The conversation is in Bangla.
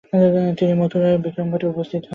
তিনি মথুরার বিক্রমঘাটে উপস্থিত হন।